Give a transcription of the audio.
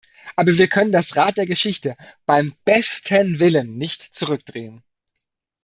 Aber wir können das Rad der Geschichte beim besten Willen nicht zurückdrehen.